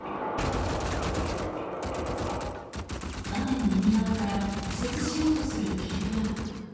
画面右側から右折しようとする軽トラック。